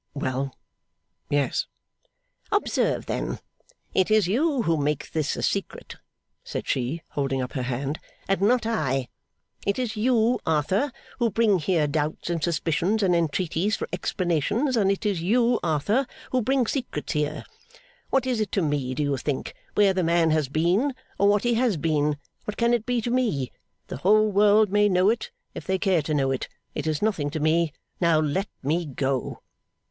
'Well! Yes.' 'Observe, then! It is you who make this a secret,' said she, holding up her hand, 'and not I. It is you, Arthur, who bring here doubts and suspicions and entreaties for explanations, and it is you, Arthur, who bring secrets here. What is it to me, do you think, where the man has been, or what he has been? What can it be to me? The whole world may know it, if they care to know it; it is nothing to me. Now, let me go.